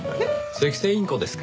セキセイインコですか。